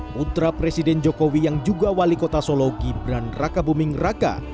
putra presiden jokowi yang juga wali kota solo gibran raka buming raka